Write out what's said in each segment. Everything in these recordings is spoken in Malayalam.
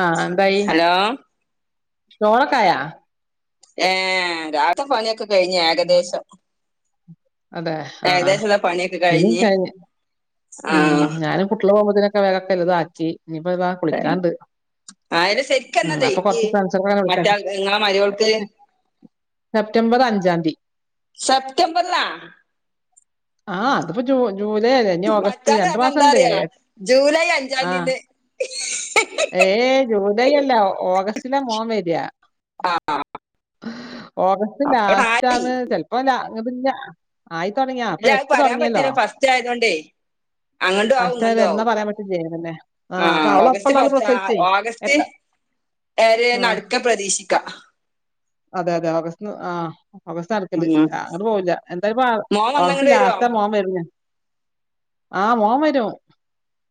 ആഹ്. എന്തായി? ഹലോ ചോറൊക്കായോ? ഏഹ് രാവിൽത്തെ പണിയൊക്കെ കയ്ഞ്ഞ് ഏകദേശം. [inaudible] അതെ ആഹ് ആഹ് ഏകദേശം ദാ പണിയൊക്കെ ഉം കഴിഞ്ഞ്. ഉം ആഹ് ഞാന് കുട്ട്യള് പോവുമ്പത്ത്ന്. വേഗൊക്കെല്ലതും ആക്കി. ഇനിയിപ്പതാ തന്നെ കുളിക്കാണ്ട്. അയിന് ശരിക്കെന്നാ ഉം അപ്പൊ ഡേറ്റ് കൊർച്ച് മറ്റാൾ ഇങ്ങളെ മരോൾക്ക് [unintelligible] സെപ്റ്റംബർ അഞ്ചാന്തി. സെപ്റ്റെംബർലോ? ആഹ്. ത്പ്പൊ ജൂ ജൂലൈയല്ലേ. ഞ്ഞി ഓഗസ്റ്റ് മറ്റാള് രണ്ടു പറഞ്ഞ് മാസം എന്താ ഇണ്ടെ. അറിയോ ജൂലൈ അഞ്ചാം ആഹ് തീയതിന്ന് ഏയ് ജൂലൈയല്ല ഓഗസ്റ്റിലാ മോൻ വരാ. ഓഗസ്റ്റ് അവിടെ ലാസ്റ്റ് ആയി ആന്ന്. ചെൽപ്പൊ ല [unintelligible] ആയിത്തൊട്ങ്ങ്യ. ഇല്ല അത് പറിയാൻ പറ്റൂല. ഫസ്റ്റ് ആയതോണ്ടെ. അങ്ങണ്ടും ആവും ഫസ്റ്റ് ആയാലും ഇങ്ങണ്ടും എന്നാ ആവും. പറയാൻ പറ്റും ജേ പിന്നെ അപ്പൊ ആഹ് ഓഗസ്റ്റ് അവളൊപ്പള്ള പ ആള് പ്രസവിച്ചേ ഓഗസ്റ്റ്. എട്ട ഒര് ആഹ് നട്ക്കെ പ്രതീക്ഷിക്ക. അതെ അതെ ഓഗ്സ്റ്റ് ആഹ്. ഓഗസ്റ്റട്ക്കല്. ഉം അങ്ങട് പോവൂല്ല. എന്തായാലുംപ്പ മോൻ ഓഗസ്റ്റ് വന്നങ്ങട് വരുവോ ലാസ്റ്റാ മോൻ വെര്ണെ. ആഹ് മോൻ വരും.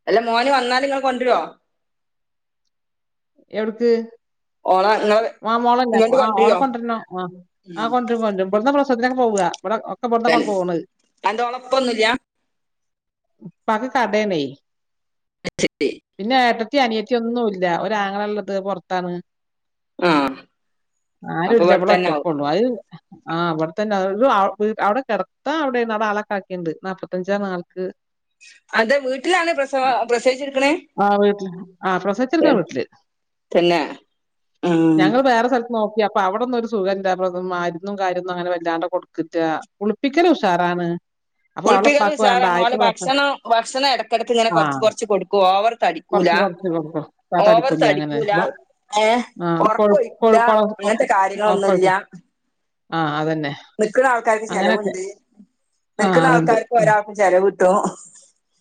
അല്ല മോന് വന്നാ പിന്നെൺ കൊണ്ട്രോ? എവ്ട്ക്ക്? ഓളാ ആഹ് മോളല്ലേ. ആഹ് ഓളെ കൊണ്ടെര്ണം ആ ഉം ആഹ് കൊണ്ട്രും കൊണ്ട്രും ബട്ന്നാ പ്രസവത്ത്നൊക്കെ പോവ്വാ. വടെ ഒക്കെ ബട്ന്നൊക്കെൺ തന്നെ പോണെ. അന്റെ ഓളപ്പൊന്നുല്ല പ്പാക്ക് കടേണെയ്. [unintelligible] പിന്നെ ഏട്ടത്തി അനിയത്തി ഒന്നുല്ല ഒരാങ്ങളള്ളത് പൊർത്താണ്. ആഹ് അപ്പൊ ആരുല്ല ഇവിടെത്തന്നെ ആവും വളൊറ്റക്കൊള്ളു. ആഹ് വെട്ത്തെന്നെ അ കെട്ത്തം അവിടേണ് അടെ ആളെക്കാക്കീണ്ട് നാപ്പത്തഞ്ചാണാ അതെ വീട്ടിലാണ് പ്രസവ പ്രസവിച്ചെട്ക്ക്ണ്? ആഹ് വീട്ടില് ആഹ് പ്രസവിച്ചെടുക്കണ വീട്ടില് തന്നെ. ഉം ഞങ്ങൾ വേറെ സ്ഥല. നോക്കി അപ്പൊ അവിടെന്നും ഒരു സുഖം ഇല്ലം മരുന്നും കാര്യൊന്നും അങ്ങന വല്ലാണ്ട് കൊടുക്ക. പിക്കൽ ഉഷാറാണ് അപ്പൊ കുളിപ്പിക്കൽ അവളെപ്പാക്ക് വേണ്ട ആദ്യത്തെ ഉഷാറാണ് പ്രാവശ്യം ഭക്ഷണം ഭക്ഷണം എടക്കിടക്ക് ഇങ്ങനെ കൊറച്ച് കൊറച്ച് കൊടുക്കും ഓവർ തടി. [unintelligible] കുഞ്ഞി അങ്ങനെ തടിക്കൂല ഏഹ് ആ കൊഴ ഒറക്കൊഴിക്കൂല കൊഴ അങ്ങനത്തെ ആ കാര്യങ്ങളൊന്നുല്ല കൊഴപ്പ. ആഹ് അതന്നെ നിക്ണ ആൾക്കാർക്ക് അങ്ങനൊക്കെ ചെലവ്ണ്ട് ആ നിക്ണ ആൾക്കാർക്ക് ഒരാൾക് ചെലവ്ട്ടും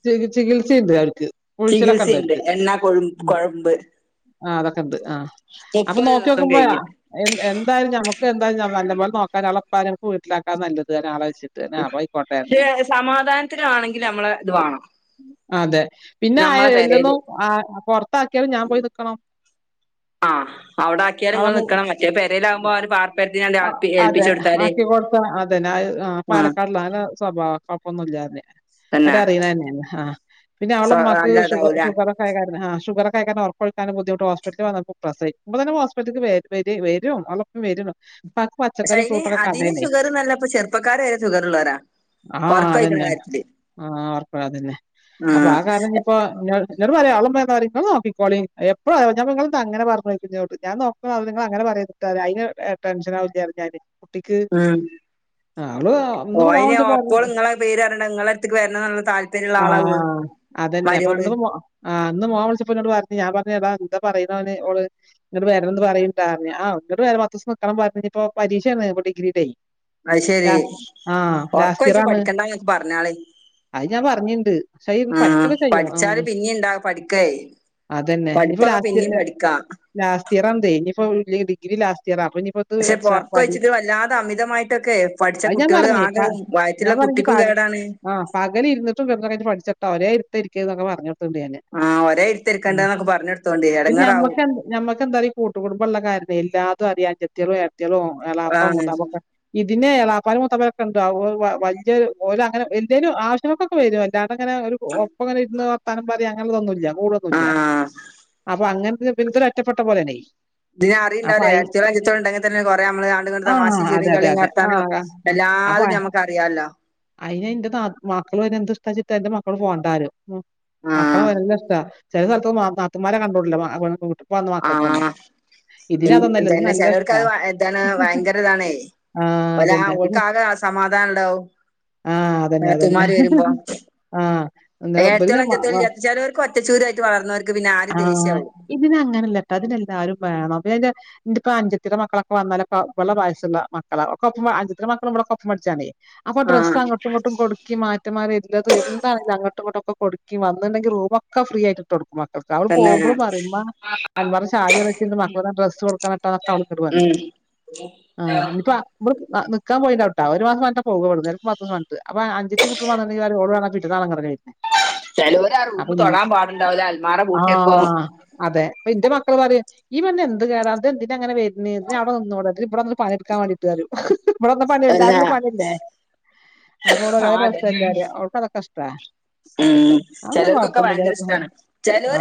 ച ചികിത്സുണ്ട് അവർക്ക് ഉഴിച്ചലൊക്കെ ഉണ്ട് ചികിത്സയുണ്ട് അവർക്ക് എണ്ണ കൊഴും കൊഴമ്പ് മുപ്പത് ആഹ് അതൊക്കെണ്ട് ആഹ് അപ്പൊ നോക്കി ദിവസം നോക്കുമ്പോരാ കഴിഞ്ഞിട്ട് എ എന്തായാലും നമുക്ക് എന്തായും നല്ല പോലെ നോക്കാന ആളപ്പാം നമക്ക് വീട്ടിലാക്കാ നല്ലത പക്ഷെ സമാധാനത്തിനാണെങ്കിൽ നമ്മള് ഇത് വേണം അതെ. പിന്നെ ആ നമ്മളെ പെരേല് എല്ലന്നും ആ പൊറത്താക്കിയാലും ഞാൻ പോയി നിക്കണം ആഹ് ടെ ആക്കിയാൽ അവ നിങ്ങൾ നിക്കക്കണം മറ്റേ പരയില ആകുമ്പോ അവര് പാർപ്പരത്തി അ അതെ ആക്കി കൊടുത്ത അതെന്നാ ആ പാലക്കാടില അങ്ങനെ സ്വഭാവം കൊഴപ്പൊന്നുംല്ലാരുന്നേ തന്നെ അവറിയണ തന്നെയാണ് ആ പിന്നെ അവള സോ നല്ലതാവൂല മ്മാക്ക്ഷുഗർ ആ ഷുറക്ക കാര ഉറപ്പൊഴിക്കാന ബുദ്ധമട്ട് ഹോസ്പിറ്റല പത്തന്നെ ഹോസ്പറ്റല വ വരും വര പക്ഷെ അതിന് അതിന് ഷുഗർല്ല അപ്പ ചെറുപ്പക്കാര് വരെ ഷുഗർള്ളോലാ ആഹ് അതന്നെ ആഹ് ഉർപ്പ അതന്നെ ആ അപ്പൊ ആഹ് കാരണംപ്പോ പറയാള നോക്കള എപ്പഴയാ ഞാ നി അങ്ങനെ പറഞ്ഞക്കഞ്ഞോട്ട് ഞാൻ നോക്കി അപ്പൊ അത് നിങ്ങള് അങ്ങനെ പറയ അതിന് ടെൻഷന ആവില്ല അറിഞ്ഞാല് കുട്ടിക്ക് ഉം ആഹ് അവള് ഒപ്പോ വണിച്ച പേര്രണം നിങ്ങള അടുത്തക്ക് വരണം എന്നുള്ള താൽ ആഹ് അതന്നെ അപ്പൊ ഇന്ന് ആഹ് ഇന്ന് മോൻ വിളിച്ചപ്പോ എന്നോട് പറഞ്ഞു ഞാൻ പറഞ്ഞ എടാ എന്താ പറയുന്ന ഓള് എന്നട്ട് വരണം എന്ന പറണ്ട ആ എന്നട്ട് വരാ പത്തീസം നിക്കണം പറഞ്ഞപ്പൊ പരീക്ഷയാണ് ഡിഗ്രീ ഡ അത് ല ആഹ് ലാസ്റ്റിയറണ് ന്നാ പറഞ്ഞളി അത് ഞാൻ പറഞ്ഞിണ്ട് പക്ഷെ പഠിക്കക്കെ ചെയ്യോ ആഹ് പഠിച്ചാല് പിന്നിം ഇണ്ടാ പഠിക്കേ അതന്നെ ഇനിപ്പോ പഠിപ്പൊക്കെ ലാസ്റ്റ്ർ പിന്നിം പഠിക്കാ ലാസ്റ്റ് ഇയർന്തേ ഇനിയിപ്പോ ഡിഗ്രി ലാസ്റ്റ് ഇയർ അപ്പ ഇഞ്ഞിപ്പോ ക്ഷെ പൊറക്ക വെച്ചി വല്ലാതെ അമിതമായിട്ടൊക്കെ പഠിച്ച അത് ഞാൻ കുട്ടികൾ പറഞ്ഞേ ആക വയറ്റുള്ള കുട്ടിക്കും കേടാണ് ആഹ് പകല ഇരിന്നിട്ടും കെട നീട്ടും കിഞ്ഞ് പഠിച്ചിട്ട ഒരെ ഇത്ത ഇരിക്ക എന്നൊക്ക പറഞ്ഞടുത്തുണ്ട് ഞാന് ആഹ് ഒരേ ഇരുത്തെരിക്കേണ്ടന്നൊക്കെ പറഞ്ഞെടുത്തോണ്ട് ഇടങ്ങാറാവും നമുക്കെന്താലും ഈ കൂട്ടുകടുംബം ഉള്ള കാര്യാ എല്ലാതും അറിയാൻെയലോ ഏത്തിയലോ എളപ്പ ആഹ് മുത്തപ്പാക്കൊ ഇതിനെ എളാപ്പാല മുത്തപ്പലൊക്കെണ്ടോ വലിയഓരോ അങ്ങനെ എന്തെങ്കലും ആവശ്യമക്കൊക്കെ വരും ഇടങ്ങനെ ഒരു ഒപ്പംങ്ങന ഇന്ന് തനംമ്പാതി അങ്ങനെതൊന്നുമ ഇല്ല കൂടൊന്നും ഇല്ല ആഹ് അപ്പൊ അങ്ങനെ ഇൻക്കൊരൊറ്റപ്പെട്ട പോലെണേ ഇതിന് അറിണ്ടാവൂല്ല എട്ടത്തിയേലും അഞ്ചത്തിയേളും ഉണ്ടെങ്കി തന്നെ കൊറെ നമ്മള് അങ്ങട്ടും ഇങ്ങട്ടും ആ തമാശി അതെ ചിറിം അതെ കളിയും അതെ ആ വർത്താനും അപ്പൊ എല്ലാര്തും ഞമ്മക്ക് അറിയാല്ലോ അയിന് അയിന്റെ ഞാ മക്കള് എന്തിഷ്ട്ടാ എന്റെ മക്കള് പോകണ്ടാറിയും ഹ്മ്മ് മക്കളെ ആഹ് വല്ല്യഷ്ടാ ചെല സ്ഥലത്തൊക്കേ നാ നാത്തൂമാരെ കണ്ടൂടല്ലോ വ ഇപ്പ വന്ന മക്കൾക്കൊന്നും ഇതിന് ഹ്മ്മ് അതൊന്നല്ല ഇതിന് തന്നെ നല്ല ചെലോർക്ക് ഇഷ്ടാ. അത് ഇതാണ് ഭയങ്കര ഇതാണേ ആഹ് ഓല അതന്നെ. ഓൽക്കാകെ സമാധാനണ്ടാവും ആഹ് അതന്നെ അതന്നെ ആഹ് എന്താ ഏട്ടത്തിയേളും അഞ്ചത്തിയേളും ഇബല് ഇല്ല ചെലോൽക്ക് ഒറ്റ ചൂരായിട്ട് വളന്നവർക്ക് ആഹ്. ആകെദേഷ്യാവും. ഇതിനങ്ങനല്ലട്ടോ ഇതിനെല്ലാരും വേണം പിന്നെ അയിന്റെ ഇന്റെ ഇപ്പ അഞ്ചത്തിടെ മക്കളൊക്കെ വന്നാലപ്പ ഇവളെ വയസുള്ള മക്കളാ ഒക്കെ ഒപ്പ അഞ്ചത്തിന്റെ മക്കളും ഇവളൊക്കൊപ്പം പടിച്ചാണേ അപ്പം ആഹ് ഡ്രസ്സങ്ങട്ടും ഇങ്ങട്ടും കൊട്‌ കൊടുക്കി മാറ്റമാരില്ലെതും എന്താണെങ്കിലും അങ്ങട്ടും ഇങ്ങട്ടൊക്കെ കൊടുക്കിം വന്ന്ണ്ടെങ്കി റൂമൊക്കെ ഫ്രീ ആയിട്ടൊട്‌ക്കും മ ക്കൾക്ക്. അവള് തന്നെ പോകുമ്പളും പറിം ഇമ്മാ അലമാറന്റെ ചാവി അവിടെ വെച്ചീണ്ട് മാറ്റാനിടാൻ ഡ്രസ്സൊടുക്കണട്ടോ എന്നൊക്കെ അവള് ഇങ്ങട്ട് പറിം. ഉം ആഹ് ഇനിയിപ്പ ഇവള് നിക്കാൻ പോയിണ്ടാവൂട്ടാ ഒരു മാസം പറഞ്ഞിട്ടാ പോവാ ഇവട്‌ന്ന്. ചെലപ്പം പത്ത് ദിവസം പറഞ്ഞിട്ട്. അപ്പൊ അൻജത്തി കുട്ടിയളും വന്ന്ട്ട്ണ്ടെങ്കില് പറിം ഓള് [unintelligible] [unintelligible] ചിലവര് ആ റൂം അപ്പ ഈ തൊടാൻ പാടുണ്ടാവൂല അൽമാറ പൂട്ടിയക്കും ആഹ് അതെ. അപ്പ ഇന്റെ മക്കള് പറിം ഈ പെണ്ണിന് എന്ത് കേടാ ഇത് എന്തിനാ ഇങ്ങനെ വര് ണേ ഇതിന് അവിടെ നിന്നൂടെ ഇവിടെ വന്നിട്ട് പണിയെടുക്കാൻ വാണ്ടിട്ട് വരു. ഇവിടെ വെഞ്ഞാല് പണി എല്ലാരും പിന്നെ വന്നാ പണിയല്ലേ അപ്പൊ ഓള് പറിം ആഹ് അത് രസല്ലാ പറിം അവൾക്കതൊക്കെ ഇഷ്ട്ടാ ഹ്മ്മ് ചെലോൽക്കൊക്കെ ഭയങ്കര ഇഷ്ടാണ്.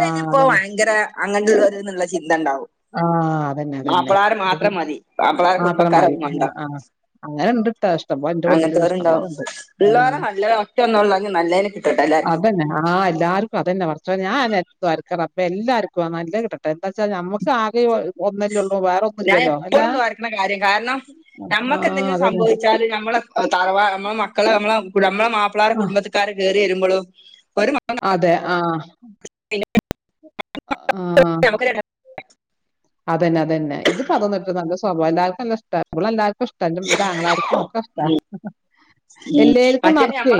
ആഹ് അതന്നെ. ഭയങ്കര അങ്ങൻത്തെ [unintelligible] ചിന്ത ഇണ്ടാവും. ആഹ് അതന്നെ അതന്നെ. മാപ്പളാര് ഇത് മാത്രം മതി. മാപ്പളളാരെ മാത്രം കുടുംമ്പക്കാര് മതി. മണ്ടാ ആഹ് ആഹ്. അങ്ങനെ ഇണ്ട്ട്ട ഇഷ്ടം പോലെ എൻ്റെ കുടുംബത്തില് തന്നെ ഇഷ്ടം പോലെ ഇണ്ട്. ഇള്ളോലെ നല്ലെ [unintelligible] നല്ലതിനെ കിട്ടട്ടേ എല്ലാവർക്കും. അതന്നെ. ആഹ് എല്ലാരുപ്പം അതന്നെ പടച്ചോനേ ഞാൻ എല്ലാർക്കും ദുആറിക്കാ റബ്ബേ എല്ലാർക്കും നല്ലേ കിട്ടട്ടെ എന്താച്ചാ ഞമ്മ ക്കാകെ ഒ ഒന്നല്ലൊള്ളൂ. ഞാൻ എപ്പളും ദുആരിക്ക്ണാ കാര്യാ കാരണം ആഹ് നമ്മക്കെന്തെങ്കിലും അതന്നെ. സംഭവിച്ചാല് നമ്മളെ തറവാ നമ്മളെ മക്കളെ നമ്മളെ നമ്മളെ മാപ്പളാരെ ആഹ് കുടുംമ്പത്ത്ക്ക് ആര് കയറി വരുമ്പളും ഒരു മാപ്പ അതെ ആഹ്. ആഹ്. നമുക്ക് അതന്നെ അതന്നെ. ഇതിപ്പതൊന്നല്ല നല്ല സ്വഭാവാ എല്ലാർക്കും നല്ല ഇഷ്ടാ അവളെ എല്ലാർക്കും ഇഷ്ടാ ഇൻ്റെ ആങ്ങളർക്കും ഒക്കെ ഇഷ്ടാ എല്ലേല്ക്കും നടക്കേ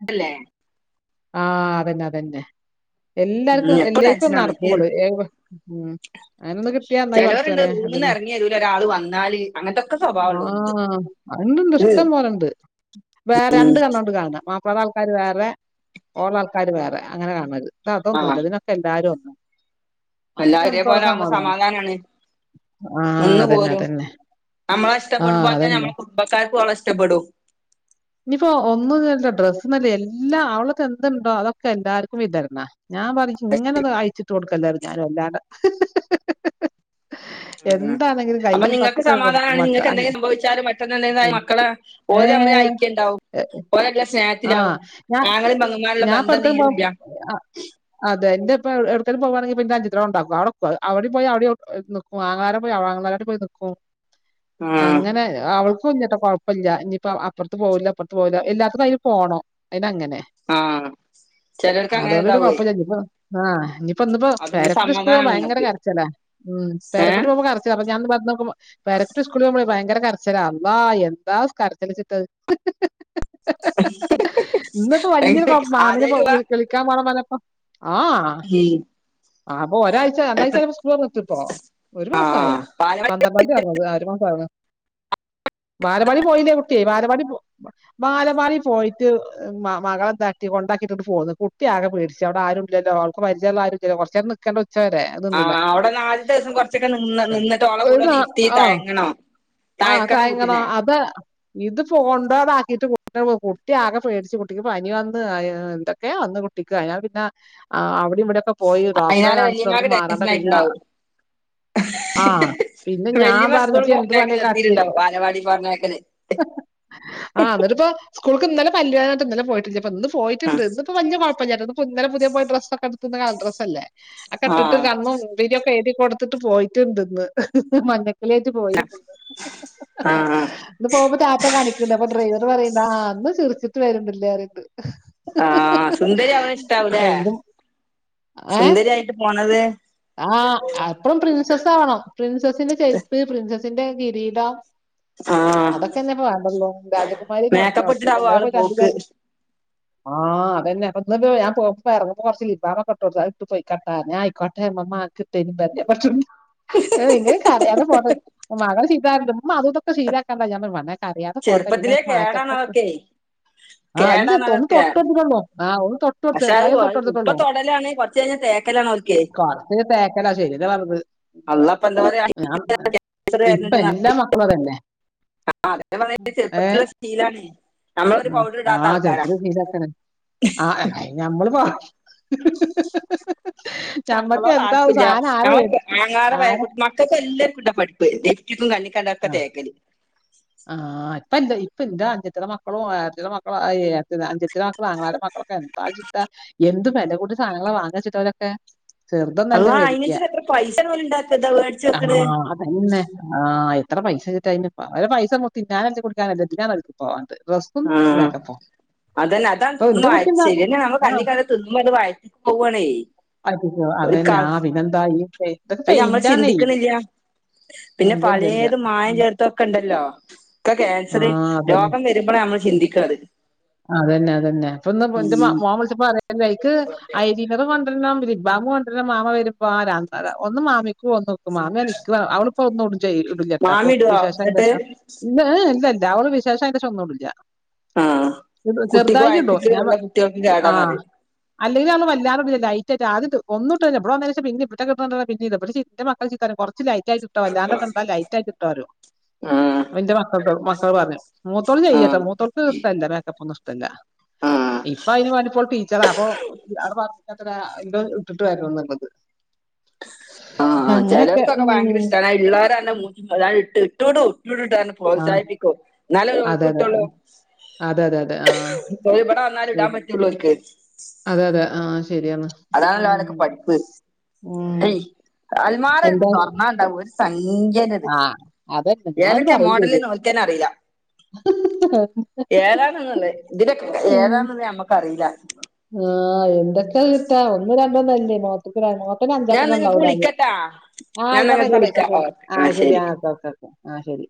അല്ലേ ആഹ് അതന്നെ അതന്നെ. ഉം എല്ലാർക്കും എപ്പോ എല്ലേർക്കും ടെൻഷനാണ് നടക്കോള്. ഏഹ് ഹ്മ്മ് അങ്ങനൊന്ന് കിട്ടയാ നന്നായി ചിലവരുണ്ട് പടച്ചോനെ റൂമിൽ നിന്ന് അതന്നെ. ഇറങ്ങി വരൂല ഒരാള് വന്നാല് അങ്ങനത്തെ ഒക്കെ സ്വഭാവം [inaudible] ഉള്ളവരുണ്ട് ആഹ് അത്ണ്ട് ഇഷ്ടം പോലെണ്ട്. വേറെ രണ്ട് കണ്ണൊണ്ട് കാണാ, മാപ്പളാൾക്കാര് വേറെ ഓളെ ആൾക്കാര് വേറെ അങ്ങനെ കാണര്ത്. ഇത് അതൊന്നൂല്ല ഇതിനൊക്കെ എല്ലാരും ഒന്നാ അതന്നെ എല്ലാം നമുക്ക് ഓളെ ഒരേപോലാവുമ്പോ സമാധാനം. സമാധാനാണ്. ആഹ് നിന്ന് അതന്നെ പോരും. അതന്നെ. നമ്മളെ ആഹ് ഇഷ്ടപ്പെടുമ്പോത്തന്നെ അതന്നെ. നമ്മളെ കുടുംബക്കാർക്കും ഓളെ ഇഷ്ടപ്പെടും. ഇനിയിപ്പോ ഒന്നൊന്നല്ല ഡ്രസ്സ് എന്നല്ല എല്ലാം അവള്ക്ക് എന്ത്‌ണ്ടോ അതൊക്കെ എല്ലാർക്കും വിതരണാ ഞാൻ പറിം ഇജ് ഇങ്ങനൊന്ന് അയച്ചിട്ട് കൊടുക്കല്ലേ പറി ഞാന് വല്ലാടെ [inaudible] ആഹ് അപ്പൊ നിങ്ങക്ക് സമാധാനാണ് മക്ക നിങ്ങൾക്ക് അല്ല, എന്തെങ്കിലും സംഭവിച്ചാലും പെട്ടെന്ന് എന്തേലും ഇതായ ഉം. മക്കളെ ഏ ഓര് തമ്മില് ഐക്യണ്ടാവും. എ, ഓലല്ലെ ആ സ്നേഹത്തിലാവും. ഞാൻ ആങ്ങളീം പെങ്ങമാരുള്ള ഞാൻ ഇപ്പൊ ബന്ധം എവിടേക്കും പോകും തീരൂല്ല. അതെ ഇന്റെപ്പ എവ എവ്ടെക്കെങ്കിലും പോവാണെങ്കി ഇന്റെ അഞ്ചത്തിന്റോടെ കൊണ്ടാക്കും അവ്ടെ നിക്കത് അവടിം പോയാ അവടെ നി ആങ്ങളാരോടെ പോയാ ആങ്ങളാമാരോടെ പോയി നി ക്കും. ആഹ് അങ്ങനെ അവൾക്കുല്ലട്ടോ കൊഴപ്പല്ല ഇനിയിപ്പ അപ്പർ ത്ത് പോവൂല ഇപ്പറത്ത് പോവൂല്ല. എല്ലാടത്തും അയ്ന് പോണം. അതിന് അങ്ങനെ ആഹ്. ചിലർക്ക് അങ്ങനെ അതുകൊണ്ട് ഒരു ഇതാവേ കുഴപ്പം ഇല്ല. ഇനിയിപ്പോ ആഹ് ഇനിയിപ്പോ ഇന്നപ്പോ അതുകൊണ്ട് പേരക്കുട്ടി സ്കൂളി പോവാൻ സമാധാനാണ് ഭയങ്കര നിങ്ങൾക്ക് കരച്ചലാ. ഉം ഏഹ് പേരക്കുട്ടിള്ളപ്പോ കര ച്ച് പറഞ്ഞു ഞാൻ ഇന്ന് പറഞ്ഞു നോക്കുമ്പോ പേരക്കുട്ടി സ്കൂളി പോകുമ്പഴേ ഭയങ്കര കരച്ചിലാ അള്ളാ എന്താ കരച്ചില് വെച്ചിട്ട്. ഇന്ന് ഇപ്പംവന്ന് ഇപ്പം മാമനെ ആദ്യായിട്ട് പോവാ വിളിക്കല്. ക്കാൻ പോണെ പറഞ്ഞപ്പം ആഹ്. എയിം ആഹ് അപ്പൊ ഒരാഴ്ച രണ്ടാഴ്ച ആയപ്പോ സ്കൂള് തുറന്നിട്ടിപ്പോ. ഒരു മാസ ആയ. ആഹ് പാലവാടി പന്ത്രണ്ടാം തിയതിയാ തുറന്നത്. ആഹ് ഒരു മാസം ആവണ്. ബാലവാടി പോയില്ലേ കുട്ടി. ബാലവാടി പോ ബാലവാടീ പോയിട്ട് മ മകളെ തട്ടി കൊണ്ടാക്കിയിട്ട് ഇങ്ങട് പോന്നു കു കുട്ടി ആകെ പേടിച്ചു. അവിടെ ആരുല്ലല്ലോ. അവൾക്ക് പരിചയമുള്ള ആരുല്ലല്ലോ. കുറച്ചു നേരം നിക്കണ്ടേ ഉച്ചവരെ. അത് നിന്നില്ല ആഹ് അവിടെ നാണ്ട് ദിവസം കൊറച്ചൊക്കെ നിന്ന് നിന്നിട്ട് ഓളെ കൂടൊന്നു ന്ന് ഇരുത്തീട്ട് ഇറങ്ങണോം. ആഹ് തയങ്ങണ അത് ഇത് ഫോൺ കുടതാക്കിയിട്ട് കുട്ടി കുട്ടി ആകെ പേടിച്ച് കുട്ടിക്ക് പനി വന്ന് എന്തൊക്കെ വന്ന് കുട്ടിക്ക് ഞാൻ പിന്നെ ആഹ് അവിടെ ഇവിടെക്കെ പോയി ഡോക്ടറെ അയിനാലെ കാണിച്ചിട്ട് ഒന്നും വല്യമ്മാക്ക് മാറണ്ട് ടെൻഷൻ പിന്നെ ആയിട്ടുണ്ടാവും ആഹ് പിന്നെ ഞാൻ വല്യമ്മ പറഞ്ഞു സ്കൂൾ ജ് എന്ത് പണിയ പറഞ്ഞയക്കല് കാട്ടിവെച്ചു നിർത്തിയിട്ടുണ്ടാവും ബാലവാടി പറഞ്ഞയക്കല് ആഹ്എന്നിട്ട് ഇപ്പോ സ്കൂൾക്ക് ഇന്നലെ പല്ലുവേദന ആയിട്ട് ഇന്നലെ പോയിട്ടില്ല ഇന്ന് പോയിട്ടുണ്ട് ഇപ്പൊ വലിയ കുഴപ്പം ഇല്ല ഇന്നലെ പുതിയ പോയി ഡ്രസ്സൊക്കെ എടുത്തു ഇന്ന് കളർ ഡ്രസ്സ്‌ അല്ലെ അത് ഒക്കെ ആ ഇട്ടിട്ട് കണ്ണും പിരികം ഒക്കെ എഴുതി കൊടുത്തിട്ട് പോയിട്ടുണ്ട് ഇന്ന് മഞ്ഞ കിളിയായിട്ട് പോയിട്ടുണ്ട് ആ ഇന്ന് പോവുമ്പോൾ റ്റാറ്റാ കാണിക്ക ത് കണ്ടപ്പോ ഡ്രൈവർ പറയും ന്നാ ഇന്ന് ചിരി ച്ചിട്ട് വരണ്ടില്ലേ എന്ന് ആഹ് സുന്ദരി അവാൻ ഇഷ്ടാവൂലെ എന്തും സുന്ദരി ആയിട്ട് പോണത് ആഹ് എപ്പോഴും പ്രിൻസസ് ആവണം പ്രിൻസസിന്റെ ചെരുപ്പ് പ്രിൻസസിന്റെ കിരീടം ആ അതൊക്കെന്നെ ഇപ്പ വേണ്ടുള്ളൂ രാജകുമാരി മേക്കപ്പ് ഇട്ടിട്ടാവും ആള് പോക്ക് നടക്ക [unintelligible] [inaudible] ആഹ് അതന്നെ [unintelligible] ഞാൻപോവുമ്പോൾ ഇറങ്ങുമ്പോൾ കൊറച്ച് ലിപ് ബാം ഒക്കെ ഇട്ടുകൊടുത്തു അതിട്ടു പോയ്ക്കട്ടാ ഞാൻ [unintelligible] അമ്മ മാർക്ക്‌ ക്ക് [unintelligible] എ ങ്ങനെ പറയാതെ പൊന്നേ മകൾ ചിത്തപറയൂണ്ട് ഉമ്മ അതു ഇതൊക്കെ ശീലക്കണ്ട ഞാൻ [unintelligible] അറിയാതെ പോട്ടെന്ന് പിന്നെ ചെറുപ്പത്തിലേ നമ്മുക്ക് കേടാണ് മാറ്റപ്പെആഹ് അതൊക്കെ അല്ല കേടാണ് ഒന്ന് അതൊക്കെ തൊട്ടുള്ളോ ആഹ് ഒന്ന് തൊട്ട് കൊടുത്തു പക്ഷെ അത് ചെറുതായി ഒന്ന് തൊട്ട് ഇപ്പൊ കൊടുത്തിട്ടുള്ളൂ തൊടലാണ് കൊറച്ച് കഴിഞ്ഞാൽ തേക്കലാണ് ഓൽക്കെ കുറച്ച് തേക്കല്ലാ ശരിയന്ന പറഞ്ഞത് അള്ളാപ്പ എന്താ പറയാ ടീച്ചർ ഞാൻ ഇപ്പൊ വരണുണ്ട് എല്ലാ മക്കളും അതുതന്നെ ഏഹ് ചെറുപ്പത്തിലുള്ള ശീലാണ് നമ്മളൊരു പൗഡർ ഇടാത്ത ആഹ് ആൾക്കാരാ ചെറുചോരു [unintelligible] ആഹ് നമ്മള് പറ ഞങ്ങളോ ഞമ്മക്ക് എന്താവും ആക്കില്ല സാധനം ആരെ ഞങ്ങ വരും അങ്ങാര [unintelligible] ആരെ ഇപ്പെല്ലാർക്കുംണ്ടാ പഠിപ്പ് ലിപ്സ്റ്റിക്കും കണ്ണിക്കണ്ടതൊക്കെ തേക്കല് ആഹ് ഇപ്പൊ എന്താ ഇപ്പൊ എന്റെ അനുജെത്തീടെ മക്കളോ ഏട്ടത്തീടെ മക്കളോ ഏഹ് അനുജത്തീടെ മക്കളോ ആങ്ങളേടെ മക്കളോ ക്ക എന്താ വെച്ചിട്ടാ എന്ത് വില കൂടിയ സാധനങ്ങള് വാങ്ങാ വെച്ചിട്ടാ ചെറുതൊന്നുവല്ല അള്ളാ മേടിക്കാ അയിനച്ചിട്ട് എത്ര പൈസ ഓല് ഇണ്ടാക്ക ഇതാ വേടിച്ച് വെക്കണ് പിന്നെ ആയി എത്ര പൈസ കിട്ടാ അതിന് ഇപ്പൊ അവരെ പൈസ മൊത്തം തിന്നാനല്ല കുടിക്കാനല്ല ഇതിനാ [unintelligible] ഡ്രസ്സ്‌ ആഹ് അതന്നെ അതാണ് ഇപ്പൊ ഇന്റെ കുട്ടിണ്ടാ ശരിന്നെ നമ്മള് ആ കണ്ണി കാണുന്ന തിന്ന വഴറ്റിക്ക്‌ പോവാണേ അത് ഒരു ക അതെന്നെ ആഹ് പിന്നെന്താ ഇതൊക്കെ അത് നമ്മൾ പെയിന്റാണെ ചിന്തിക്കണില്ല പിന്നെ പലേത് മായം ഉം. ചേർത്തൊക്കെ ഉണ്ടല്ലോ ഒക്കെ ആ ക്യാൻസർ അതന്നെ. രോഗം വ മ്പള നമ്മള് ചിന്തിക്കാറ് അതന്നെ അതന്നെ അപ്പൊന്ന് എന്റെ മോൻ വിളിച്ചപ്പോ പറയാ എനക്ക് ഐലീനറ് കൊണ്ട് വരണം ലിപ് ബാം കൊണ്ടരാണം മാമ വരുമ്പോ ആ രാന് ഒന്ന് മാമിക്കും ഒന്ന് മാങ്ങാ നിക്ക അവളിപ്പോ ഒന്നും ടും അപ്പൊ മാമി ഇടുവോ വിശേഷം എന്നിട്ട് ഇല്ലല്ലോ ഇല്ല ഏ ഇല്ലല്ല ഓള് വിശേഷായിന്റേശം ഒന്നുല്ല ആഹ് കുട്ടിക്ക് ഇടും. വായറ്റില്ള്ള കുട്ടികൾക്ക് കേടാന്നറിം അല്ലെങ്കി അതൊന്നും വല്ലാതെത് ചെയ്യില്ല ലയ്റ്റായിട്ട് ആദ്യത്തെ ഒന്ന് തൊട്ട് ഇവിടെവന്ന ശേഷംപിന്നിം [unintelligible] ഇജ്ജ് ലൈറ്റ് ആയിട്ടിട്ടോ അല്ലാണ്ടപ്പന്താ ലൈറ്റാആയിട്ടിട്ടോറിം ആഹ് അപ്പൊന്റെ മ മക്കൾ മക്കൾ പറഞ്ഞു മൂത്തോള് ചെയ്യേല്ല ആഹ് മൂത്തോൾക്ക് ഇഷ്ടല്ലമേക്കപ്പ് ഒന്നും ഇഷ്ടല്ല ആഹ് ഇപ്പഅയിന് മാണ്ടിപ്പോ ഓള് ടീച്ചറാ അപ്പൊ [unintelligible] അത്ര ഇല്ലോ ഇട്ടിട്ടു വരണംന്നുള്ളത് ആഹ് ആഹ് ചേലോർക്കൊക്കെ ഭയങ്കര ഉം. ഇഷ്ട ആ ഉള്ളവരെ ഇട്ട് ഇട്ടോണ്ട് പോവും ആ പ്രോത്സാഹിപ്പിക്കും ന്നാലല്ലേ ഓൽക്ക് അതെ അതെ കിട്ടൊള്ളു അതെ അതെ അതെ ആ ഓല് ഇവിടെ വന്നാലേ ഇടാൻ ഉം. പറ്റുവൊള്ളൂ ഓൽക്ക് അതെ അതെ ആഹ് ശരിയാണ് അതാണല്ലോ ഉം. അനക്ക് പഠിപ്പ് ഉം. അൽമാറങ്ങട് എന്താ തൊർന്നാണ്ടാവും ഒരു സംഖ്യന്റത് ആ അതന്നെ ഞാനത് ഏതൊക്കെയാ പറയും ചെയ്തു മോഡല്ന്ന് ഓൽ ക്കെന്നറിയില്ല ഏതാണെന്നുള്ള ഇതിനൊക്കെ ഉം. ഏതാണെന്ന് നമ്മക്കറിയില്ല ആഹ് എന്തൊക്കെ കിട്ടാ ഒന്നും രണ്ടൊന്നല്ല [unintelligible] നോട്ടിന് ഞാൻ ഇന്നാ ഇങ്ങക്ക് അഞ്ചെട്ടണ്ണണ്ടാവുല അത്‌ വിളിക്കട്ടാ ആഹ് ഞാൻ ഇന്നാ അയ്ക്കോട്ടെ ഇങ്ങക്ക് അയ്ക്കോട്ടെ വിളിക്കാ ഓ ആഹ് ശരി അയ്ക്കോട്ടെ [unintelligible] ആഹ് ശരി